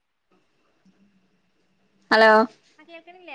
[inaudible] ആഹ് കേൾക്കിനില്ല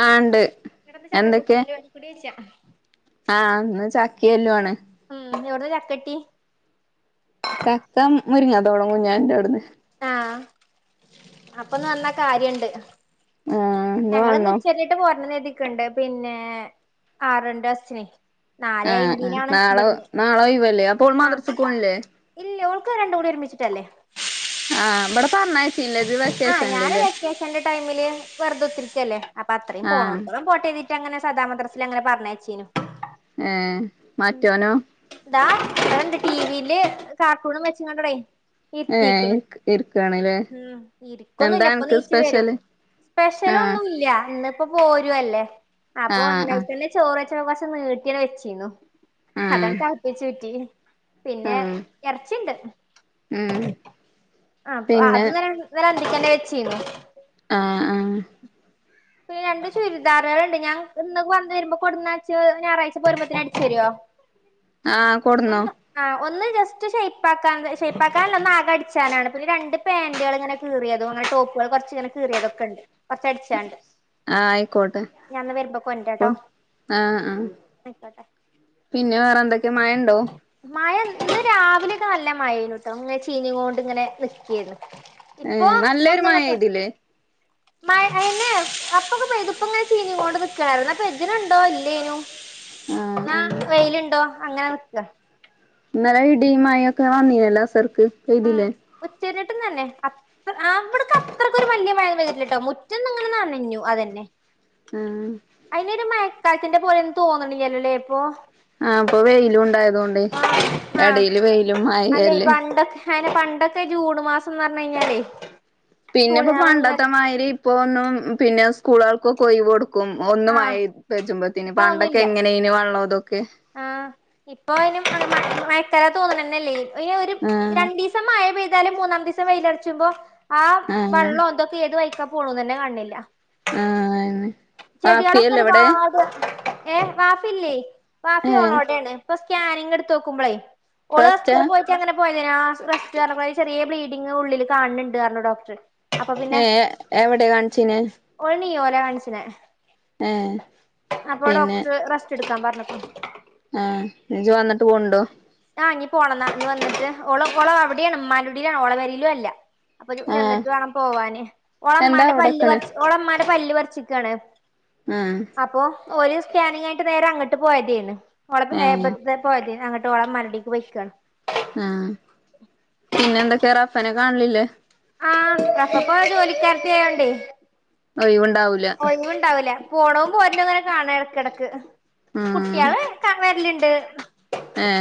ആ ഉണ്ട് എന്നിട്ടെന്താ ചക്കക്കൂട്ടൻ പരിപാടികുടിയ ആഹ് ഇന്ന് ചക്കിംഎല്ലൂ ആണ് ഉം എവ്ട്ന്നാ ചക്ക ട്ടി മുരിങ്ങാതൊടാൻ കുഞ്ഞാണിന്റെ അവിട്ന്ന് ആഹ് അപ്പൊ ഇന്ന് വന്നാ കാര്യണ്ട് ആ ഇന്ന് ഞങ്ങളിന്ന് വന്നോ ഉച്ചര്ഞ്ഞിട്ട് പോരണംന്ന് കര്തി ക്ക്ണ്ട് പിന്നെ ആറരന്റെ ബസ്സിന് നാലേ ആ ആ അയ്മ്പദിനാണ് നാളെ ഇബ്ട്ന്ന് നാളെ ഒഴിവല്ലേ അപ്പോ ഓള് ആഹ് മദ്രസക്ക് പോണില്ലേ ഇല്ല്യ ഓൾക്ക് അത് രണ്ടും കൂടി ഒരുമിച്ചിട്ടല്ലേ ആഹ് ബടെ ആഹ് ഞാന് വെക്കേഷന്റെ ടൈമില് വെറുതുത്തിരി അല്ലെ അപ്പൊ അത്രിം ആ പോണോട്ത്തോളം പോട്ടന്നെരുതി ങ്ങെ സദാമദ്രസീല് അങ്ങനെ പറഞ്ഞേച്ചീനു ഏ മറ്റോനോ ദാ അവിടെണ്ട് ടീവീല് കാർട്ടൂണും വെച്ങ്ങാണ്ടടേ ഏ ഇക്ക് ഇരിക്കാണ്ല്ലേ ഉം എന്താ ഇരിക്കൊന്നുല്ല ഇപ്പൊ അനക്ക് നീച് വരും സ്പെഷ്യല് ആ സ്പെഷ്യൽ ഒന്നുംല്ല ഇന്നിപ്പോ പൊരുവല്ലേ ആ അപ്പൊ ആ ഒന്നായിട്ടെന്നേ ചോറ് വെച്ച ക്ഷവകാശം നീട്ടിയാൽ വെച്ചിരുന്നു ആ അതട്ട അപ്പേ ചുറ്റി ആ പിന്നെ ഇറച്ചിണ്ട് ഉം ആ പിന്നെ അപ്പൊ [unintelligible] ചിക്കൻ്റെവെച്ചിരുന്നു ആ ആ പിന്നെ രണ്ട് ചുരിദാറുകളുണ്ട് ഞാൻ ഇന്ന് വന്ന് വരുമ്പോ കൊണ്ടുവന്നുച്ച ഞായറാഴ്ച പോരുമ്പോത്തേന് അടിച്ചു തരുവോ ആ കൊടുന്നോ ഒന്ന് ആഹ് ഒന്ന് ജസ്റ്റ് ഷെയ്പാക്കാൻ ഷെയ്പാക്കാനല്ല ഒന്ന് ആക അടിച്ചാനാണ് പിന്നെ രണ്ട് പാന്റുകൾ ഇങ്ങന കീറിയത് അങ്ങനെ ടോപ്പുകൾ കുറച്ച് ഇങ്ങനെ കീറിയതൊക്കെ ഉണ്ട് കുറച്ച് അടിച്ചാനുണ്ട് ആഹ ആയിക്കോട്ടെ ആഹ ആ ആയിക്കോട്ടെ പിന്നെ വേറെ എന്തൊക്കെയാ മഴ ഉണ്ടോ മഴ ഇന്ന് രാവിലെയൊക്കെ നല്ല മഴയായിരുന്നുട്ടോ ഇങ്ങനെ ചീഞ്ഞു കൊണ്ട് ഇങ്ങനെ നിൽക്കയായിരുന്നു ഇപ്പൊ ഏഹ് നല്ലൊരു മഴ ഒന്നുംങ്ങോട്ടോ പെയ്തില്ലേ മഴ അഎന്നെ അപ്പൊക്ക പെയ്തപംങ്ങനെ ചീഞ് കൊണ്ട് നിക്കായിര്ന്നു. ന്ന പെജ്ജ്നുണ്ടോ ഇല്ലേനൂ ആഹ് ന്നാ ആഹ് വെയില്ണ്ടോ അങ്ങനെ നിക്ക ന്നെലെ ഇഡീമയേക്കെ വന്നീഞല്ലൊ അസർ ഉം ഉച്ചരിട്ട് തന്നെ അത്ര അവിടക്ക് അത്രക്കൊരു വലിയ മഴപെയിതിട്ട മുറ്റനിങ്ങനെ നനഞ്ഞു അതന്നെ മു അയിനൊരു മയക്കാലത്തിന്റെ പോലെ ഒന്നും തോന്നണില്ലല്ലോല്ലേ ഇപ്പൊ ആപ്പൊ വെയിലുണ്ടായതൊണ്ട് ആഹ് എടയില് വെയിലും അല്ലെ മായയല്ലേ പറഞ്ഞാഴിഞ്ഞാലേ പിന്നെപ്പോ പണ്ടത്തെ മരി ഇപ്പൊ ഒന്നും പിന്നെ സ്കൂളുകൾ കൊക്ക് ഒഴിവ് കൊ ക്കും ഒന്നു ആഹ് മഴേഇപച്ചുമ്പത്തന് ഇപ്പൊ പണ്ടൊക്കെ ഒന്നുല്ല എങ്ങനെ ഇന് വെള്ളം അതൊക്കെ ആഹ് തൊന്നണനാല്ലെ ഇ ഒരു രണ്ടീസം മായ പെയ് താലും മൂന്നാം ദിസം വെയിലുറച്ചുമ്പോ ആ ആഹ് വെള്ളോ അന്തൊക്കെ ഏത് വഴിക്ക പൊണുതന്നെ കണ്ടില്ല ആഹ് അയ് വേ ചെടികളൊക്കെ ഒരുപാട് ഏഹ് വാപ്പില്ലേ? വാപ്പി ഏഹ് ഓളോടെണ് പ്പസ് സ്കാനിംഗ് എടുത്തോക്കുമ്പളേ ഓള് റെസ്റ്റാ സ്കൂളിപോയിട്ടങ്ങനെ പോയ ആ റെസ്റ്റ് [unintelligible] ചെറിയ ബ്ലീഡിങ് ഉള്ളില് കാൺണ്ട്‌ പറഞ്ഞ് ഡോക്ടറ്. ഏ എവടെ കാണിചീനെ? കാണിച്ചിനെ അപ്പൊ ഡോക്ടറ് റെസ് എടുക്കാൻ പറഞ്ഞപ്പ ഏ ജ് വന്നിട്ട് പോണ്ടോ? ആ ഇങ്ങി പോണംന്നാ ന്നിവന്നിട്ട് ഓള്ഓള് അവിടെയാണ് ഉമ്മാന്റുടിലാണ് ഓളപെരേലുല്ലാ. അപ്പൊ ആ ചെന്നിട്ട് വേണം പോവാന് എന്താ ഓള്മാന്റെ അവിടെക്കണ് പല്ല്പറിച്ച് ഓളമാ ടെ പല്ല് പറച്ചിക്കാണ്. ആഹ് - ഒരു സ്കാനിങ്ങഴിഞ്ഞിട്ട് നേരെ അങ്ങോട്ട് പോയെതേണ്. ഏ [unintelligible] ട്ടോളം മരടിക്ക് പോയ്ക്കാണ്. ആ പിന്നെന്തക്കെറബ് പ്പനെ കാൺലില്ലേ? ആ പ്രസപ്പ ജോലിക്കാർത്തിയായോണ്ടേ. ആ ഇവൾ ഓ ഇനിയുണ്ടാവലേ? പോണവും പോര്ന്നവരെ കാണായെടക്കെടക്ക്. ഉം കുട്ടിയളെയെറക്കാൻ വരലിണ്ട്. ഏ [unintelligible]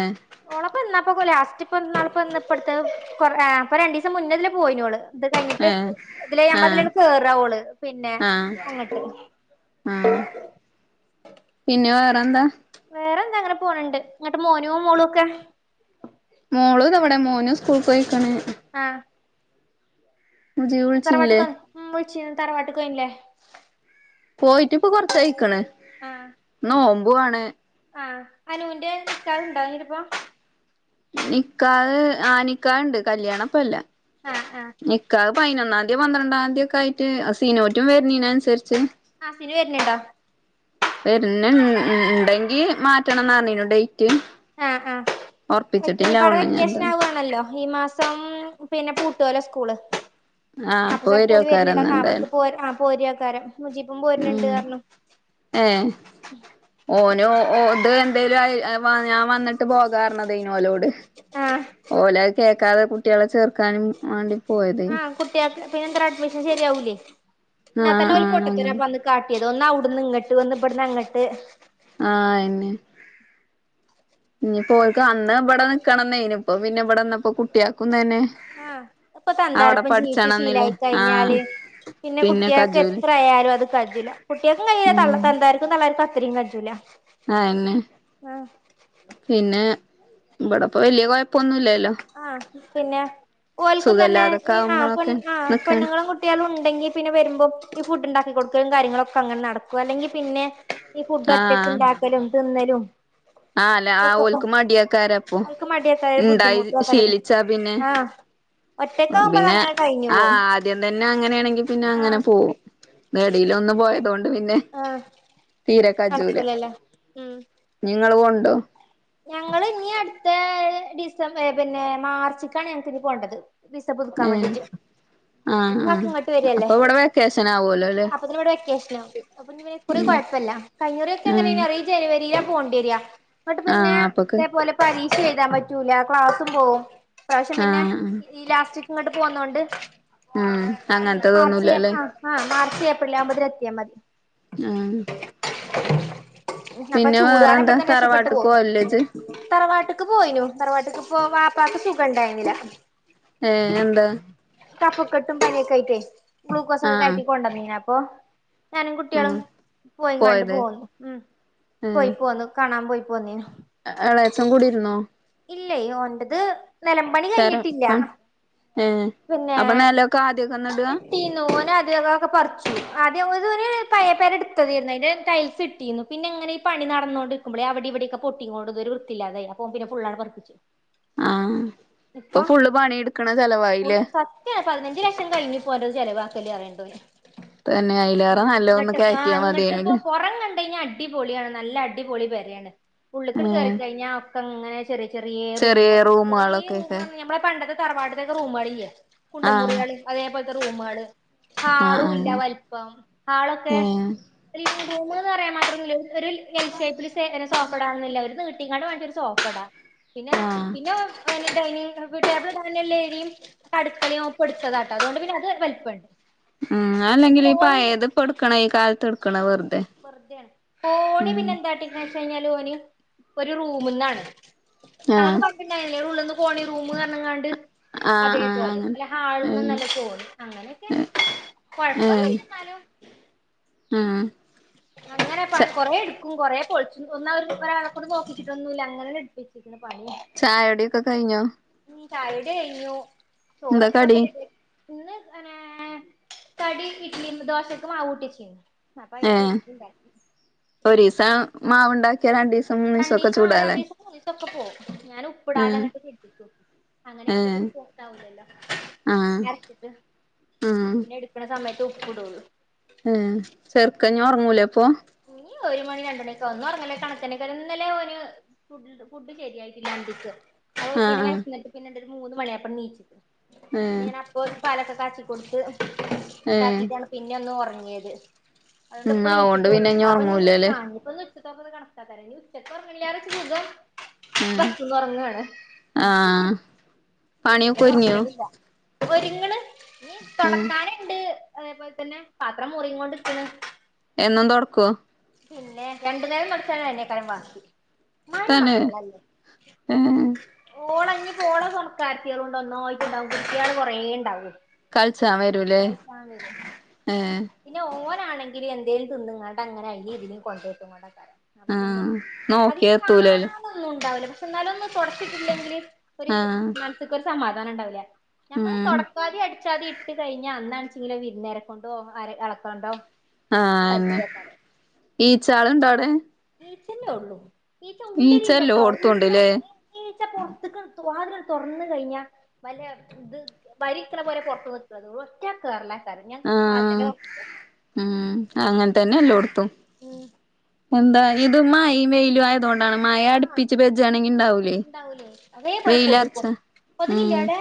ഓളെപ്പെന്ന നോക്കു ലാസ്റ്റ്പ്പന്തന്നാപ്പന്നാപ്പടുത്ത് കൊറേ ആ പ്പ രണ്ടിസം മുന്നേതില് പോയിനോള്. ഇത് കഴിഞ്ഞിട്ട് ഏ ഇതിലെ നമ്മതിലെ കേറാ ഓള് പിന്നെ ആഹ് അങ്ങട്ട് ആ പിന്നെവേർ എന്താ? വേറെന്താ അങ്ങനെ പോണണ്ട് ങ്ങട്ട് മോനുവും മോളുവൊക്കെ? മോള് തവിടെ മോനു സ്കൂൾ പോയിക്കാണ്. ആ മുജിബ് വിളിച്ചില്ലേ? കൊച്ച തറവാട്ട്കൊയീണ് ലേ പോയിട്ട് ഇപ്പൊ കൊറചായക്ക് ണ് ആഹ് നോമ്പുാണ് അനുന്റെ നിക്കാഹ് ഇണ്ടായിലപ്പം നിക്കാഹ് ആ നിക്കാഹ്‌ ണ്ട് കല്യാണ പ്പല്ല ആഹ് ആഹ് നിക്കാഹ് പൈനൊന്ന ഇ പന്ത്രണ്ടാം ന്തി ക്കെ ആയി്റ്റ് അസീനോറ്റും വരുന്നീനൻസരിച്ച് ഹസീന വര് ൻ ണ്ടോ വര് ന് ണ്ടെങ്കി മാറ്റണംന്ന് അർ ഞീനു ഡേറ്റ് ആഹ ആഹ വക്കി നി ഉറപ്പിച്ചിട്ടില്ല പ്പട ഓണ് ഞാൻ എന്താ വ്യക്യെഷനവാണല്ലോ ഈ മാസ് - സം പിന്നെ പൂട്ടോ ലോ സ്കൂള് ആഹ് അപ്പൊ ചെൽപ്പോ ൽ വർന് ണ്ടാ വരുവക്കാരന്ന് ആ പോ ബൽക് ആ പോരേക്കാരം ഉ ഏ ഓനോ ഓർത് കൻ - [unintelligible] വന്നിട്ട് പോകർന്നതേനു ഓലോഡ് ആഹ് ഓലഹ് കേ- കേക്കാതെ കുട്ടികളെ ചേർക്കാനും മാണ്ടി ആഹ് കുട്ട്യാക്ക് പിന്ന ന്ത്ര ഡ്മിഷൻ ശെരിയാവൂലെ നാ ആഹ് തന്നെ ഓല് ആഹ് അങ്ങനെ പൊട്ടത്തരാപ്പന്ന് കാട്ട്യേ ഒന്നഔട്ന്ന് ഇങ്ങട്ട് വന്ന് ഇബട് ന്ന് അങ്ങട്ട് ഹ് ആഹ ആന്നെ ഇനിപ്പോക്ക് അന്ന് ഇവിടെ നിക്കണ ന്നേനിം പ്പോ പിന്നെ ഇവിടെന്നപ്പോ കുട്ട്യാക്കും ആഹ ഇപ്പൊ തന്താാരപ്പം ജീവിച് പഠിച്ചണംന്നില്ലേ ശീലായി ആഹ് കഴിഞ്ഞാല് പിന്നെ കുട്ട്യാക് ത്രായാലും അത് കജില്ല കുട്ട്യാൾക്കും കഴല്ല തള്ള തന്താർക്കും തള്ളർക്കുംഅ ത്രി കജുല ആന്നെ പിന്നെ ഇവിട ഇപ്പ വലിയ കുഴപ്പൊന്നുല്ല ആഹ പിന്നെ ഓൽക്കും തന്നെ സുഖല്ലാതൊക്കെ ഈ ആ പെ ആവുമ്പോഴൊക്കെ ആ നിക്കാണ് പെണ്ണുങ്ങളും കുട്ടിയാലും ണ്ടെങ്കി പിന്നെ വരുമ്പോ ഈ ഫുഡ് ഉണ്ടാക്കി കൊടുക്കലും കാര്ങ്ങളൊക്കെ അങ്ങനെ നടക്കും അല്ലെങ്കിൽ പിന്നെ ഈ ഫുഡ് ഒറ്റക്ക് ആഹ് ണ്ടാക്കലും തിന്നലും ആഹ് അല്ല ആ ഒക്കെപ്പം ഓൽക്ക് മടിയക്കാരപ്പൊ ഓല്ക് മടിയെകാ ഇണ്ടായി ബുദ്ധിമു ശീലിച്ചാ പിന്നെ ഒറ്റക്കാവുമ്പോ പിന്നെ അതങ്ങനെ കഴിഞ്ഞു ആഹ പോവും ആദ്യം തന്നെ അങ്ങനെയാണെങ്കി പിന്നെ അങ്ങനെ ആഹ് പോകും യിലൊന്ന പോയതോ ണ്ട് പിന്നെ ആഹ് തീരെക്കജൂല നടക്കൂലല്ലോ ഉം നിങ്ങൾ കൊൺ ണ്ടോ ഞങ്ങള് ഇനി അടുത്ത ഡിസംബ പിന്നെ മാർച്ചിക്കാണ് ഞങ്ങക്ക് ഇഞ് പോണ്ടത് പിസ പുതുക്കാൻ ഏഹ് വേണ്ടീട്ട് ആഹ് ഇപ്പ ക്ക് ആഹ് ങ്ങോട്ട് വരല്ലേ അപ്പൊ ഇവിടെ വെക്കേഷൻ ആവോലോല്ലേ അപ്പോത്തിനിവിടെ വെക്കേഷനവും അപ്പൊെ ഞ് ഇക്കുറി ഉം കുഴപ്പല്ല കഴഞ്ഞുറി ഒക്കെ ങ്ങനെ ആഹ് അറി ഈ ജനുവരിലാ പോണ്ടേരിയ പിന്നെ ആഹ് അപ്പൊക്ക് ഇതേപോലെ പരീ- ക്ഷഎഴുതാൻ ചെയ്താൻ പറ്റൂല ക്ലാസ്സും പോകവും ഈ പ്രാവശ്യം പിന്നെ ആഹ് ഈ ലാസ്റ്റ് ഇങ്ങോട്ട് പോവുന്നോണ്ട് ഉം അങ്ങനത്തെ തോന്നൂല്ലല്ലേ ള്ളതി എത്തിയാ മതി ആഹ [unintelligible] പിന്നെ വേറെ എന്താ തറവാട്ട്- തറവാട്ടക്ക് പോയിനു തറവാട്ടക്ക് വോ വാപ്പക്ക് സുഖംണ്ടായിന്നില്ല ഏ എന്താ കഫകട്ടും പണിക്കായിട്ടേ ഗ്ലൂക്കോസ് ഒക്ക ആഹ് കയറ്റി കൊണ്ടന്ന ഇപ്പോ ഞാനും കുട്ടികളും ആഹ് പോയി കണ്ട് പോയത് പോന്നു പോയി പോന്നു കാണാൻ പോയി പോന്നേനു ടാച്ചം കൂടിരുന്നോ ഇല്ലേ ഓന്റെത് നിലമ്പണി കഴിഞ്ഞിട്ടില്ല പ ഏഹ് പിന്നെ അപ്പൊ നെലൊക്കെ ആദ്യൊക്കെന്നെ ഇടാ ഇട്ടിന്നുഓന അത്ക്കെ പറിച്ചു ആദ്യോ- പയ പേര എടുത്തായിരുന്നുഅയിന് റ്റായിൽൽസ് ഇട്ടിന്നു പിങ്ങനെ ഈ പണി നടന്നോണ്ടിമ്പോ അവിടെ ഇവിടെവിടെക്കെ പേടി - തികൊടുതൽ വൃത്തില്ലതയി അപ്പൊ പിന്നെ ഫുള്ളാണ് പറീപ്പിച്ച് ആഹ് ഇപ്പൊ ഇപ്പം ഫുള്ള് പണിയെടുക്കണ ചെലവായില്ലേ ഉള്ളും സത്യാണ് പതിനഞ്ച് ലക്ഷം കഴിഞ്ഞു പോണ്ടത് ചിലവാ ലി അറിയേണ്ടത് തന്നെ അയിലേറെ നല്ലോന്ന് കറ്റിയാ മതിയേന്ന് പണി കഴിഞ്ഞ അടിപൊളിയാണ് നല്ല അടിപൊളി പരയാണ് ഉള്ളുക്കണ് ഏഹ് കയറിക്കഴിഞ്ഞ അങ്ങനെ ചെറിയ ചെറിയ റൂം ചെറിയ റൂമാന്ന് നമ്മെ പണ്ടത്തെ തറവാട്ടതേക്കെ റൂമുകളില്ലേ ആഹ് കുണ്ടമുറിയള് അതേപോലെ റൂംമാള് ആളുംല്ല ആഹ് വലിപ്പം ആളൊക്കെ ആഹ് ഏഹ് റൂമന്ന് പറയാൻ മാത്രമല്ല എൽഷേപ്പ [unintelligible] ഓഫാടാ പിന്നെ ആഹ് പിന്നെ വേന്ത ഇന് ടെബിൾ തെല്ല എരിയു അടുക്കളയും ഒപ്പ എടുത്തതാട്ടോ അതുകൊണ്ട് പിന്നെ അത് വലിപ്പമുണ്ട് മ് അല്ലെങ്കിൽ പയത് ഇപ്പ എടുക്കണ ഈ കാലത്ത് എടുക്കണ വെറുതെ വെറുതെയാണ് കോണി ഉം പിന്നെ [unintelligible] ഒരു റൂമന്നാണ് നമുക്ക് ആഹ് കുഴപ്പില്ലല്ലേ ഉള്ളും പോണ രൂമ ക കണ്ണ്ട് ആഹ് ആഹ് അതേപോലെ അങ്ങനെ അല്ല ഹാളൊന്നന്നല്ല പോന്നുന്നു അങ്ങനെയൊക്കെ ഏഹ് ഏഹ് കൊഴപ്പൊന്നല്ലാലോ ആഹ് അങ്ങനെ ച പകൊറ എടു കൊറേ പൊളിച്ചു ഒന്ന ഒരു ഒരാളക്കൂടി നോക്കിട്ടൊന്നുമല്ല അങ്ങനെ ടിപ്പിച്ചത്- ചായൊടിക്കെ കഴിഞ്ഞോ? ചായകുടി കഴിഞ്ഞു- എന്താ ചോറക്കൊ കടി [inaudible] ഇന്ന് ന കടി ഇഡ്ലിയും ദോശൊക്കെ മാവൂട്ടിചെക്യ്ന്നു- ഏ ഒരീസ മാവ് - [unintelligible] രണ്ടീസം മൂന്നീസം ക്കെ രണ്ടീസം ആ ചൂടാ ഇല്ലേ? രണ്ടീസം മൂന്നീസം ഒക്കെ പോവും ഞാൻ ഉപ്പിടാതെ അങ്ങട്ട് [unintelligible] അങ്ങനെ ആകുമ്പോ ഏഹ് പിന്നെ ആവൂലല്ലോ. ആഹ് [unintelligible] പിന്നെ എടുക്കണ സമയത്തും [unintelligible] ഏ ചെറുക്കൻ ഇനി ഒറങ്ങൂലേ അപ്പൊ? ഇനി ഒരു മണി രണ്ട് മണിയൊക്കെ ഒന്ന് ഒറങ്ങലേല് കണക്കാ. [unintelligible] ഇന്നലെ ഓന് ഒരു ഫുഡ് ശരിയായിട്ടില്ല അന്തിക്ക്. [unintelligible] ആഹ് പിന്നെ ആഹ് വെശന്നിട്ട് പിന്നൊണ്ട മൂന്ന് മണിയായപ്പെണീച്ച് പിന്നെ ഏഹ് ഞാനപ്പോ ഒരു പാലൊക്കെ കാച്ചി കൊടുത്ത് ഏഹ് ഇണ്ടാക്കിട്ടാണ് പിന്നെ ഒന്നൊറ അങ്ങേര് ഉം അതുകൊണ്ട് ഇപ്പ [unintelligible] ഉള്ളൂ. പിന്നെ ഇനി അപ്പൊ [unintelligible] [unintelligible] ഒറങ്ങൂലല്ലേ സാധാരണ ഉച്ചക്ക് [unintelligible] സുഖം. ഏഹ് ബസ്സ്ന്ന് ഒറങ്ങാണ്. ആഹ് ഉച്ചക്ക് പണിയൊക്കെ ഒരുങ്ങിയോ ഹസ്ബന്റ് ഇല്ല ഒരിങ്ങ്ണ്- ഇനി ആഹ് തൊടക്കാന്ണ്ട്- അതേപോലെ തന്നെ പാത്രം മോറിം കൊണ്ടിരിക്കണ്- എന്നും തൊറക്വോ- പിന്നെ രണ്ടു നേരം തൊടച്ചാലയ്നയ്കാരം ബാക്കി- മ്മാരി തന്നെ മക്കളല്ലേ ഏഹ് ഓളയ് ഈ പോണ തോണയ്കാരത്തിളോടൊന്നും കുട്ടിയാള് കുറേ ഇണ്ടാവും- കള്ചാൻ വരൂല്ലേ കളിച്ചാൻ വരും ഏ- പിന്നെ ഓനാണെങ്കില് എ തിന്ന്കാണ്ട് അങ്ങനെ അയ്ലിം ഇതിലിം കൊണ്ടയ്ടുംകൊണ്ടയ്ക്കാരം- അപ്പൊ പിന്നെ ആഹ് അതിൽ നോക്കിയ എത്തൂലല്ലേ കാണനൊന്നും ഉണ്ടാവില്ല- എന്നാലും ഒന്ന് തൊട്ച്ചിട്ടില്ലെങ്കില്- ഒര് ആഹ് മനസ്ക്ക്‌ ഒരു- സമാധാനം ഉണ്ടാവില്ല- ഞമ്മള് ഉം തൊടക്കാതിം അടി ക്കാതെ ഇട്ട് കഴിഞ്ഞാ അന്നാണച്ചെങ്കിൽ വിരുന്നേര കൊണ്ടോണം- ആരെ എളക്കാണ്ടം- ആഹ് ഈച്ച് ചാള്ണ്ടോ അവ്ടെ? ഈച്ചന്നെ ഒള്ളൂ ഈച്ച ഉള്ളിലില്ലട്ടോ എല്ലോടത്തും ഉണ്ട്ല്ലേ ഈച്ച പൊർത്ത്ക് വാതില തൊർന്ന് കഴിഞ്ഞാ വല്ല ത് വരിക്ക്‌ണെ പോലെ പൊർത്ത് നിക്ക്‌ണത് ഒറ്റക്കേറലാ ആഹ് ഉംഹ് അങ്ങൻത്തന്നെ എല്ലോട് ഉംഹ് എന്താ ഇത് മ്മഴിം വെയിൽ റ്റു ആയതോണ്ട് തണ് മഴ ആഹ് അട്പ്പിച്ച് പെജ്ജാണെങ്കിണ്ടാവൂലേ. ഉണ്ടാവൂലേ അതേപോലെ വെയിലർച്ച കൊതുകും കൊതുകില്ലേ ഉംഹ് അവിടെ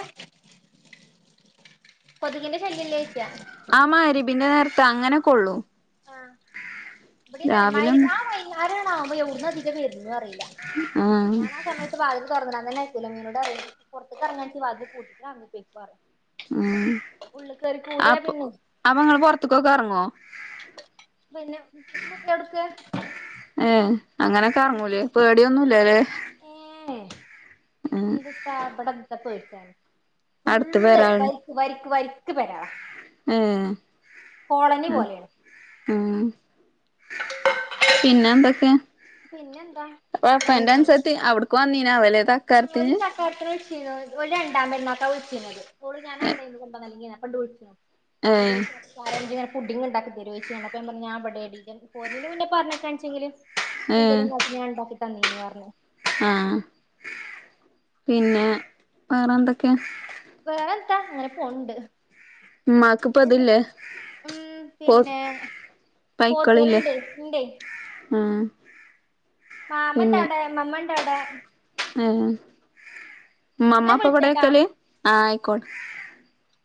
കൊതുകിന്റെ ശല്യല്ലേയ്ച്ചാ ആഹ് മഹ് രിബിന്റെ നേര്ത്ത് അങ്ങനെക്കൊള്ളു. ആഹ് ഇവിടിം തന്നെ രാവിലെ ഒന്ന് മയ്രിബാ വൈന്നാരാണാവുമ്പം എവ്ട്ന്നാത് ഇറ്റ വര് അറീല. ആഹ് ഞാനാ സമയത്ത് വാതില് തൊർന്ന് ഇന്നലെത്തീല്ല മിനുടറിം പൊർത്ത്ക്കർങ്ങാണ്ങ്കി വാതില് [unintelligible] ഉംഹ് കൂടിയാ അപ്പൊ പിന്നെ അപ്പൊങ്ങള് പൊർത്ത്ക്കൊക്കെ എർങ്ങോ [unintelligible] എന്ത്പേടിച്ചാൻ ഏഹ് അങ്ങനൊക്കെ എറങ്ങൂലേ പേടിയൊന്നുല്ലല്ലേ [unintelligible] [unintelligible] [unintelligible] [unintelligible] അടുത്ത് ഫുള്ള് വരാൻ വരിക്ക് വരിക്ക് വരിക്ക് പെരാളാ ഏഹ് കോളനി ആഹ് പോലേണ് ആഹ് പിന്നെ എന്തൊക്കെ പിന്നെന്താ അപ്പോ അങ്ങനെ ഫ്രണ്ട് പോണ് അന്സത്തീം അവിടെക്ക് വന്നീനി പിന്നെ ഓലെ തക്കാര്ത്തിന് പിന്നെ ഓലെ രണ്ടാം പെര്ന്നാക്കാ വിള്ച്ചീനേത് ഓള് ഞാനവിടെയനി [unintelligible] [unintelligible] ഏഹ് വിളിച്ചെണ [inaudible] ഫുഡിങ് ഉണ്ടാക്കി തെരുവോ ചോയിച്ച് അപ്പൊ ഞാൻ പറഞ്ഞ് ഞാൻ ഇവടേയാരിക്കും പോവുന്നേന് മുന്നേ പറഞ്ഞട്ടേങ്കിലേച്ച് ഏഹ് എന്തേലും നോക്ക് ഞാൻ ഉണ്ടാക്കി തന്നീന് പറഞ്ഞു ആഹ് പിന്നെ വേറെ എന്തൊക്കെയാ വേറെന്താ അങ്ങനെ പോണുണ്ട് ഉമ്മാക്ക് ഇപ്പൊ ഇതില്ലേ ഉം പോ പിന്നെ പൈക്കളില്ലേ പോത്തുകള്ണ്ട് ഉം മാമണ്ടവിടെ നമ്മൾ - എവടെ ഉംഹ് അമ്മ ഇന്നാ അപ്പ കൂടെ വിളിച്ചട്ടാ എക്കല് ആഹ് [unintelligible]